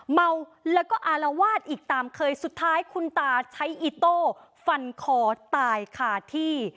เมาแล้วก็อารวาสอีกตามเคยสุดท้ายคุณตาใช้อิโต้ฟันคอตายขาดที่